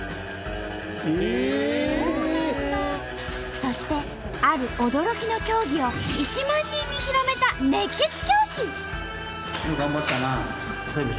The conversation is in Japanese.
そしてある驚きの競技を１万人に広めた熱血教師！